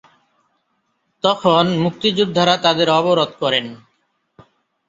তখন মুক্তিযোদ্ধারা তাদের অবরোধ করেন।